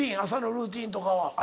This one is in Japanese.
朝のルーティンとかは。